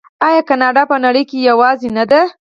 آیا کاناډا په نړۍ کې یوازې نه ده؟